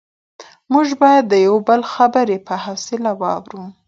موږ باید د یو بل خبرې په حوصله واورو